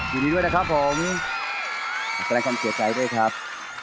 ยินดีด้วยนะครับผมรักษาการเกียจใจด้วยครับ